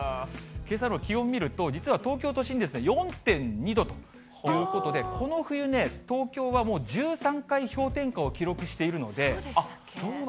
けさの気温見ると、実は東京都心、４．２度ということで、この冬ね、東京はもう１３回氷点下を記録しているので。